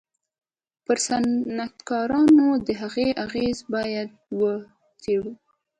پر صنعتکارانو د هغه اغېز بايد و څېړو.